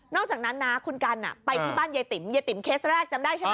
อกจากนั้นนะคุณกันไปที่บ้านยายติ๋มยายติ๋มเคสแรกจำได้ใช่ไหม